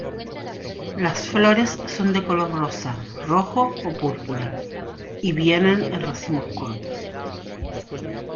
Las flores son de color rosa, rojo o púrpura, y vienen en racimos cortos.